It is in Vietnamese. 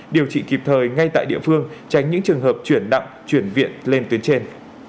điều trị kịp thời ngay tại địa phương tránh những trường hợp chuyển nặng chuyển viện lên tuyến trên